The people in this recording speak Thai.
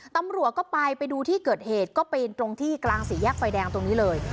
ตำรวจก็ไปไปดูที่เกิดเหตุก็ปีนตรงที่กลางสี่แยกไฟแดงตรงนี้เลย